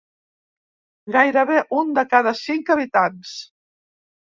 Gairebé un de cada cinc habitants.